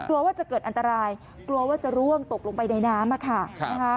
กลัวว่าจะเกิดอันตรายกลัวว่าจะร่วงตกลงไปในน้ำอะค่ะ